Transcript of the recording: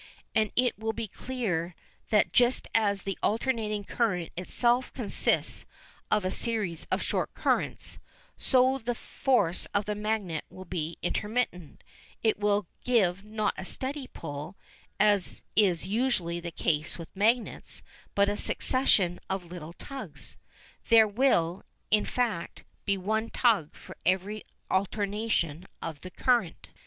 And it will be clear that just as the alternating current itself consists of a series of short currents, so the force of the magnet will be intermittent; it will give not a steady pull, as is usually the case with magnets, but a succession of little tugs. There will, in fact, be one tug for every alternation of the current.